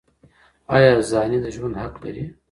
آیا زاني د ژوند حق لري؟